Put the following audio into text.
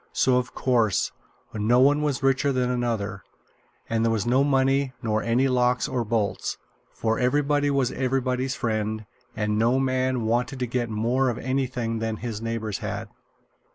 So, of course, no one was richer than another, and there was no money, nor any locks or bolts; for everybody was everybody's friend, and no man wanted to get more of anything than his neighbors had.